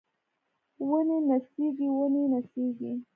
ونې نڅیږي ونې نڅیږي